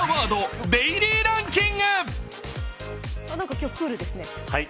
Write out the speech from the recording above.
今日、クールですね。